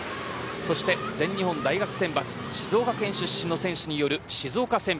そして、全日本大学選抜静岡県出身の選手による静岡選抜。